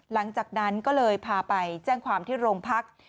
หลังจากนั้นก็เลยพาไปแจ้งความที่โรงพัก